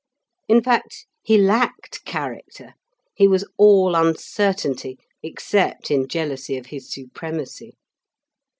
In fact, he lacked character; he was all uncertainty, except in jealousy of his supremacy.